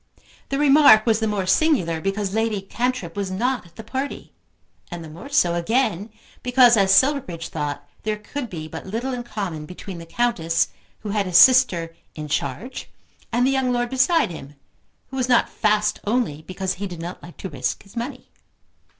The remark was the more singular because Lady Cantrip was not at the party, and the more so again because, as Silverbridge thought, there could be but little in common between the Countess who had his sister in charge and the young lord beside him, who was not fast only because he did not like to risk his money.